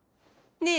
ねえ？